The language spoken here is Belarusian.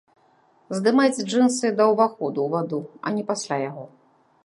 Здымайце джынсы да ўваходу ў ваду, а не пасля яго.